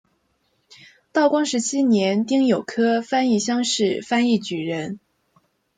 道光十七年丁酉科翻译乡试翻译举人。